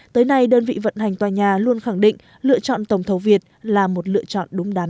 tới nay đơn vị vận hành tòa nhà luôn khẳng định lựa chọn tổng thầu việt là một lựa chọn đúng đắn